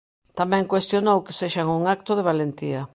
Tamén cuestionou que sexan un acto de valentía.